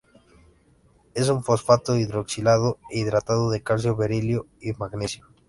Es un fosfato hidroxilado e hidratado de calcio, berilio y magnesio.